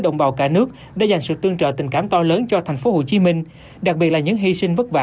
đồng bào cả nước đã dành sự tương trợ tình cảm to lớn cho tp hcm đặc biệt là những hy sinh vất vả